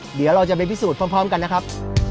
เดี๋ยวเราจะไปพิสูจน์พร้อมกันนะครับ